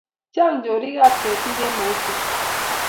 Chang chorik ab ketik en mauche